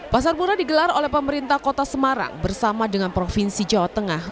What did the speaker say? pasar murah digelar oleh pemerintah kota semarang bersama dengan provinsi jawa tengah